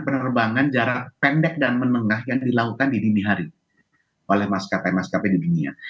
penerbangan jarak pendek dan menengah yang dilakukan di dini hari oleh maskapai maskapai di dunia